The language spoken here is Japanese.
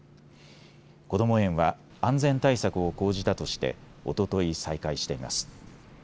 こども園は安全対策を講じたとしておととい再開しています。